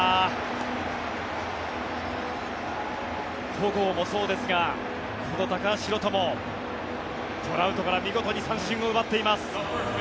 戸郷もそうですがこの高橋宏斗もトラウトから見事に三振を奪っています。